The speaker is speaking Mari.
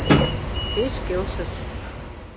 Пеш келшыш.